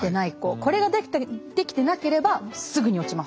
これができてなければすぐに落ちます。